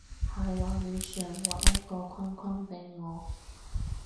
喺畫面上畫一個框框畀我